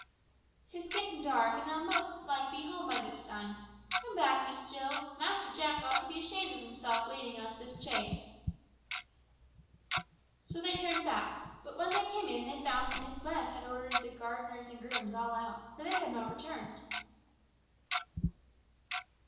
"'Tis getting dark, and they'll most like be home by this time. Come back, Miss Jill. Master Jack ought to be ashamed of himself leading us this chase!" So they turned back, but when they came in they found that Miss Webb had ordered the gardeners and grooms all out, for they had not returned.